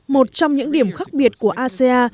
một trong những điểm khác biệt của aca